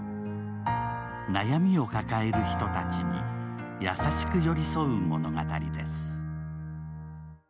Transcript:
悩みを抱える人たちに優しく寄り添う物語です。